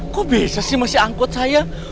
kok bisa sih masih angkut saya